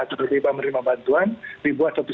tiba tiba menerima bantuan dibuat satu